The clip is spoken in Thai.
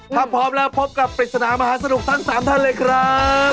ถ้าพร้อมแล้วพบกับปริศนามหาสนุกทั้ง๓ท่านเลยครับ